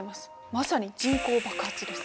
まさに人口爆発です。